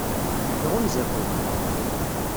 Iɣunza-ken?